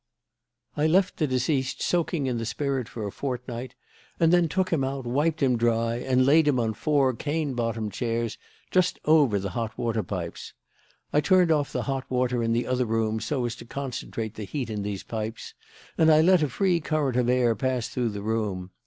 "I left the deceased soaking in the spirit for a fortnight and then took him out, wiped him dry, and laid him on four cane bottomed chairs just over the hot water pipes. I turned off the hot water in the other rooms so as to concentrate the heat in these pipes, and I let a free current of air pass through the room.